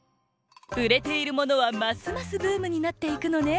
売れているものはますますブームになっていくのね。